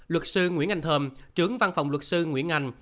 luật sư nguyễn anh thơm trưởng văn phòng luật sư nguyễn anh